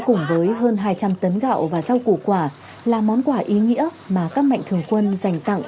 cùng với hơn hai trăm linh tấn gạo và rau củ quả là món quà ý nghĩa mà các mạnh thường quân dành tặng